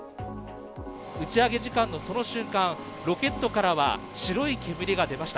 打ち上げ時間のその瞬間、ロケットからは白い煙が出ました。